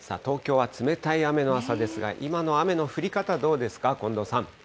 東京は冷たい雨の朝ですが、今の雨の降り方、どうですか、近藤さん。